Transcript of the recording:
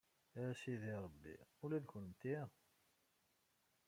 A Sidi Ṛebbi, ula d kennemti?